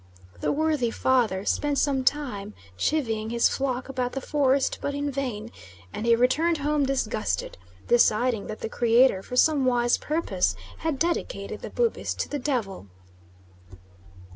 The worthy Father spent some time chivying his flock about the forest, but in vain, and he returned home disgusted, deciding that the Creator, for some wise purpose, had dedicated the Bubis to the Devil.